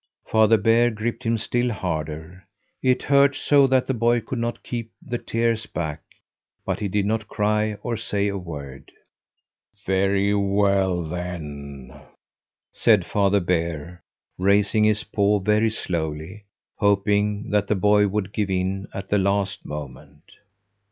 Father Bear gripped him still harder. It hurt so that the boy could not keep the tears back, but he did not cry out or say a word. "Very well, then," said Father Bear, raising his paw very slowly, hoping that the boy would give in at the last moment.